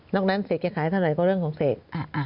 นั้นเสกจะขายเท่าไหร่ก็เรื่องของเสก